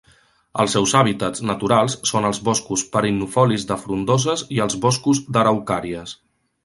Els seus hàbitats naturals són els boscos perennifolis de frondoses i els boscos d'araucàries.